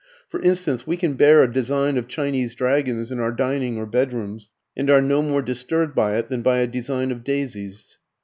For instance, we can bear a design of Chinese dragons in our dining or bed rooms, and are no more disturbed by it than by a design of daisies.